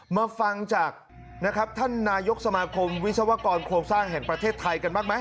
มาฟังจากนะครับท่านนายกสมาคมวิศวกรโครงสร้างแห่งประเทศไทยกันบ้างไหม